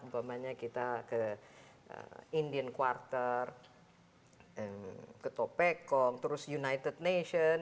bukannya kita ke indian quarter ke topecom terus united nations